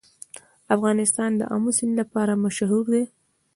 افغانستان د آمو سیند لپاره مشهور دی.